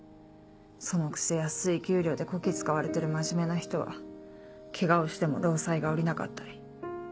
そのくせ安い給料でこき使われてる真面目な人はケガをしても労災が下りなかったり。